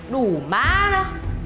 đủ má nó